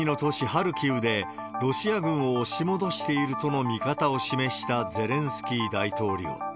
ハルキウで、ロシア軍を押し戻しているとの見方を示したゼレンスキー大統領。